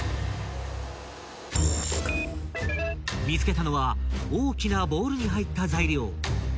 ［見つけたのは大きなボウルに入った材料］